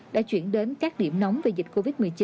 đã chuyển đến các điểm nóng về dịch covid một mươi chín